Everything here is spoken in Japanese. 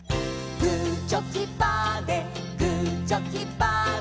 「グーチョキパーでグーチョキパーで」